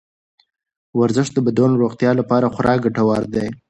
ورزش د بدن د روغتیا لپاره خورا ګټور دی.